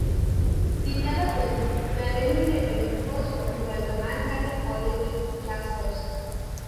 The Terrapins were eliminated in the first round by the Manhattan College Jaspers.